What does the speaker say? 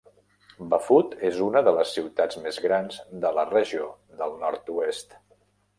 Bafut és una de les ciutats més grans de la regió del nord-oest.